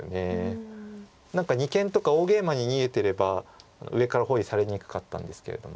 何か二間とか大ゲイマに逃げてれば上から包囲されにくかったんですけれども。